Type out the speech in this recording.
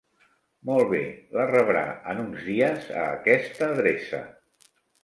Molt bé, la rebrà en uns dies a aquesta adreça.